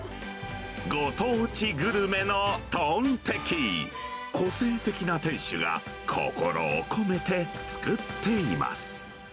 ご当地グルメのトンテキ、個性的な店主が心を込めて作っています。